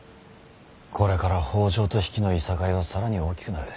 これから北条と比企のいさかいは更に大きくなる。